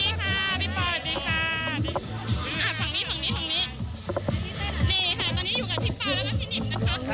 นี่ค่ะตอนนี้อยู่กับพี่ป่าแล้วก็พี่นิดนะครับ